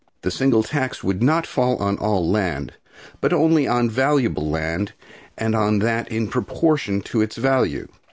The single tax would not fall on all land, but only on valuable land, and on that in proportion to its value.